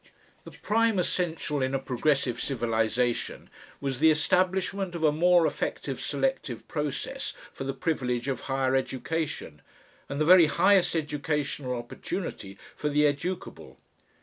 The prime essential in a progressive civilisation was the establishment of a more effective selective process for the privilege of higher education, and the very highest educational opportunity for the educable.